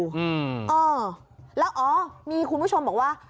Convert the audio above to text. อืมเออแล้วอ๋อมีคุณผู้ชมบอกว่า